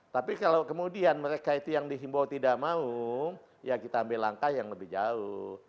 tapi kalau kemudian mereka itu yang dihimbau tidak mau ya kita ambil langkah yang lebih jauh